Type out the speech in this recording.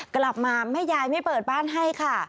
กลับมาแม่ยายไม่เปิดบ้านให้ค่ะ